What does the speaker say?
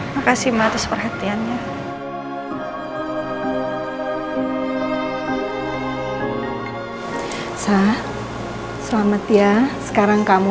makasih ma atas perhatiannya